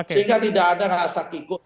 sehingga tidak ada rasa tigu